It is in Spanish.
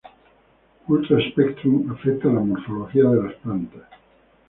Ultra spectrum afecta a la morfología de las plantas.